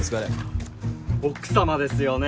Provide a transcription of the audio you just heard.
奥様ですよね？